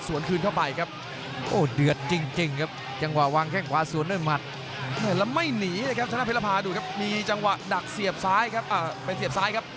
โอ้้ยเดือดจริงครับ